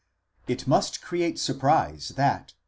¢ It must create surprise that